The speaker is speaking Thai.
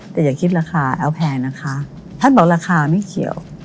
แต่อย่าคิดราคาเอาแพงนะคะท่านบอกราคาไม่เขียว